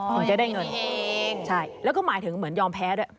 อ๋อมีเงินใช่แล้วก็หมายถึงเหมือนยอมแพ้ด้วย